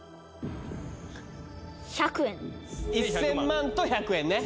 １０００万と１００円ね。